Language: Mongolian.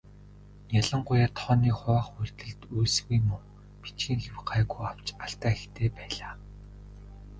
Ялангуяа тооны хуваах үйлдэлд үйлсгүй муу, бичгийн хэв гайгүй авч алдаа ихтэй байлаа.